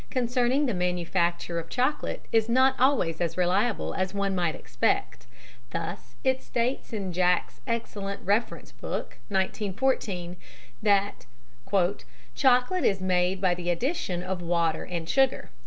concerning the manufacture of chocolate is not always as reliable as one might expect. Thus it states in Jack's excellent Reference Book (1914) that "Chocolate is made by the addition of water and sugar."